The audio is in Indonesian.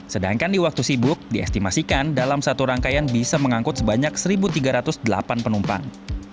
sedangkan di waktu sibuk diestimasikan dalam satu rangkaian bisa mengangkut sebanyak satu tiga ratus delapan penumpang